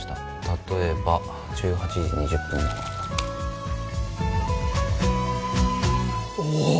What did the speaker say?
例えば１８時２０分ならおお！